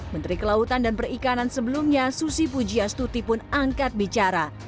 menteri kelautan dan perikanan sebelumnya susi pujiastuti pun angkat bicara